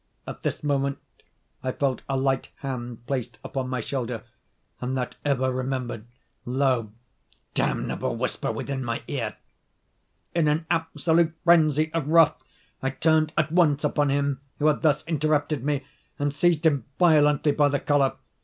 At this moment I felt a light hand placed upon my shoulder, and that ever remembered, low, damnable whisper within my ear. In an absolute phrenzy of wrath, I turned at once upon him who had thus interrupted me, and seized him violently by the collar.